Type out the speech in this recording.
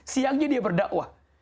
siangnya dia berdakwah